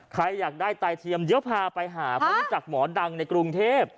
ใครอยากได้ไตเทียมเดี๋ยวพาไปหาเพราะรู้จักหมอดังในกรุงเทพ